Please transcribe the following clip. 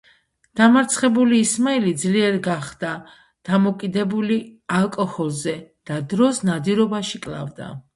დამარცხებული ისმაილი ძლიერ გახდა დამოკიდებული ალკოჰოლზე და დროს ნადირობაში კლავდა.